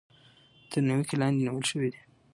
تر نېوکې لاندې نيول شوي دي.